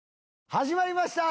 始まりました